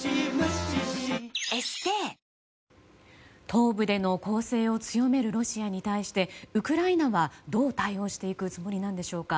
東部での攻勢を強めるロシアに対してウクライナはどう対応していくつもりなんでしょうか。